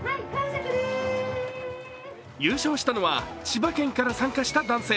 優勝したのは千葉県から参加した男性。